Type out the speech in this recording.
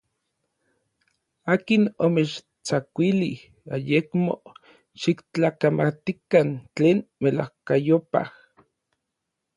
¿akin omechtsakuilij ayekmo xiktlakamatikan tlen melajkayopaj?